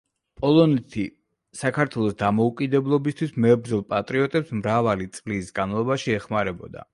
პოლონეთი საქართველოს დამოუკიდებლობისთვის მებრძოლ პატრიოტებს მრავალი წლის განმავლობაში ეხმარებოდა.